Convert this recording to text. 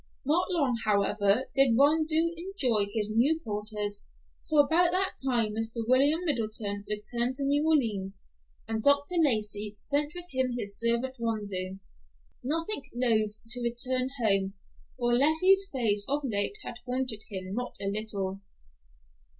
Not long, however, did Rondeau enjoy his new quarters, for about that time Mr. William Middleton returned to New Orleans, and Dr. Lacey sent with him his servant Rondeau, nothing loath to return home, for Leffie's face of late had haunted him not a little.